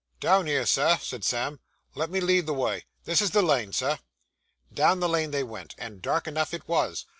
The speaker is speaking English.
'Down here, Sir,' said Sam. 'Let me lead the way. This is the lane, Sir.' Down the lane they went, and dark enough it was.